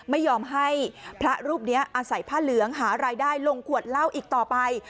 ไม่ยอมให้พระรูปนี้อาศัยผ้าเหลืองหารายได้ลงขวดเหล้าอีกต่อไป